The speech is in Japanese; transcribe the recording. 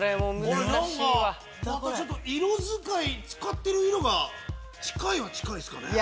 色使い使ってる色が近いは近いっすかね。